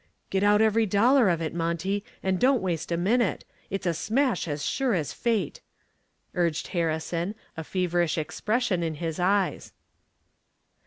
"Get out every dollar of it, Monty, and don't waste a minute. It's a smash as sure as fate," urged Harrison, a feverish expression in his eyes.